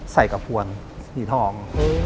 ใส่กระพวนสีทอง